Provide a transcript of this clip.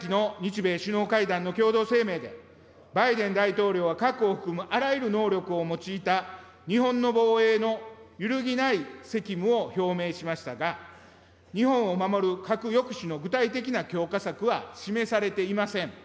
米首脳会談の共同声明で、バイデン大統領は核を含むあらゆる能力を用いた日本の防衛の揺るぎない責務を表明しましたが、日本を守る核抑止の具体的な強化策は示されていません。